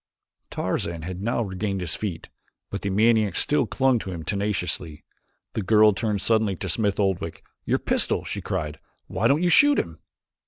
Tarzan had now regained his feet, but the maniac still clung to him tenaciously. The girl turned suddenly to Smith Oldwick. "Your pistol!" she cried. "Why don't you shoot him?"